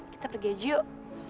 kita pergi aja yuk